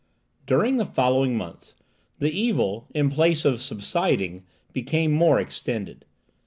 During the following months the evil, in place of subsiding, became more extended.